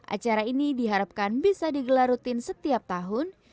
acara ini diharapkan bisa digelar rutin setiap tahun